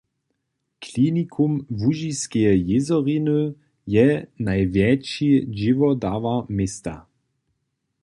Klinikum łužiskeje jězoriny je najwjetši dźěłodawar města.